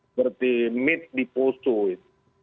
seperti mit di pusul